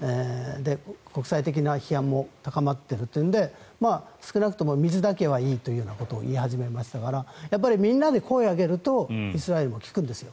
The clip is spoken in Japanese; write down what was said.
国際的な批判も高まっているというので少なくとも水だけはいいということを言い始めましたからみんなで声を上げるとイスラエルも聞くんですよ。